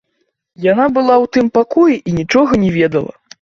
Яна была ў тым пакоі і нічога не ведала.